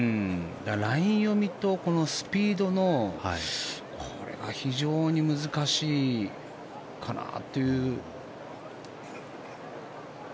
ライン読みとこのスピードのこれは非常に難しいかなという。